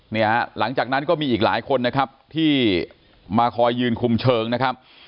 เนี่ยหลังจากนั้นก็มีอีกหลายคนนะครับที่มาคอยยืนคุมเชิงนะครับ